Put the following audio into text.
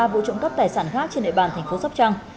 ba vụ trộm góc tài sản khác trên nệp bàn tp sắp trăng